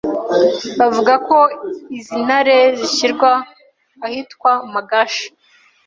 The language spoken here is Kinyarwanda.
bavuga ko izi ntare zishyirwa ahitwa Magashi,